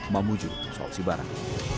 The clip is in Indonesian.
memujuk sok sibarang